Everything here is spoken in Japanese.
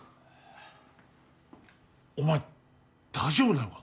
お前大丈夫なのか？